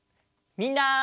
みんな。